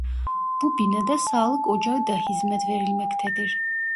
Bu binada sağlık ocağı da hizmet verilmektedir.